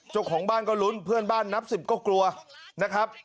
เจ้าของบ้านก็ลุ้นเพื่อนบ้านนับ๑๐ก็กลัวนะครับ